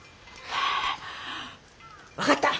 分かった。